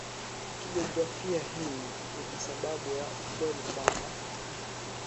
kijiografia Hii ni kwa sababu ya ukweli kwamba